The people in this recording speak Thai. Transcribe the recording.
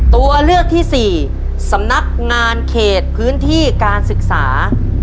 ตัวเลือกที่สี่สำนักงานเขตพื้นที่การศึกษา